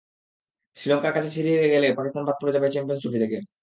শ্রীলঙ্কার কাছে সিরিজ হেরে গেলে পাকিস্তান বাদ পড়ে যাবে চ্যাম্পিয়নস ট্রফি থেকে।